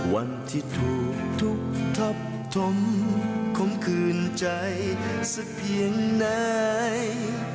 วันที่ถูกทุบทับถมคมคืนใจสักเพียงไหน